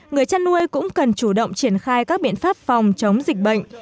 người chăn nuôi cũng cần chủ động triển khai các biện pháp phòng chống dịch bệnh